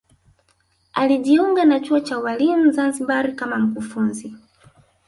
alijiunga na chuo cha ualimu zanzibar kama mkufunzi